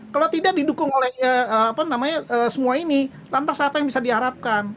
kalau tidak didukung oleh semua ini lantas apa yang bisa diharapkan